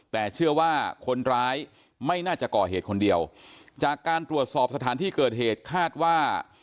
แต่เชื่อว่าคนร้ายไม่น่าจะก่อเหตุคนเดียวจากการตรวจสอบสถานที่เกิดเหตุคาดว่า